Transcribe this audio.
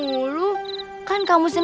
gua yang salah